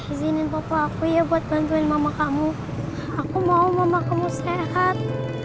izinin bapak aku ya buat bantuin mama kamu aku mau mama kamu sehat